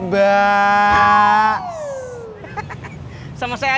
jadi berhati hati ke dia dong kalau masih ada salah